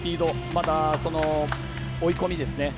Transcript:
また追い込みですね。